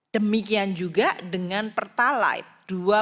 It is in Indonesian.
demikian juga dengan pertalite